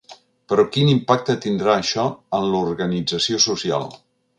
Però quin impacte tindrà això en l’organització social.